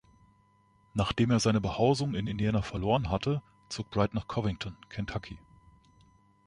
Nachdem er seine Behausung in Indiana verloren hatte, zog Bright nach Covington, Kentucky.